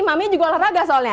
mami juga olahraga soalnya